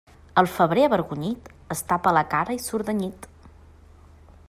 El febrer avergonyit es tapa la cara i surt de nit.